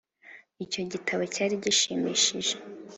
icyo gitabo cyari gishimishije.